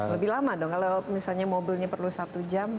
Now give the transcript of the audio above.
lebih lama dong kalau misalnya mobilnya perlu satu jam